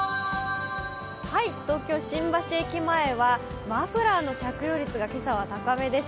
東京・新橋駅前はマフラーの着用率が今朝は高めです。